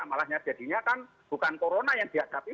malahnya jadinya kan bukan corona yang dihadapi